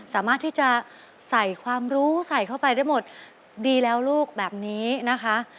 สามารถที่จะใส่ความรู้ใส่เข้าไปได้หมดดีแล้วลูกแบบนี้นะคะ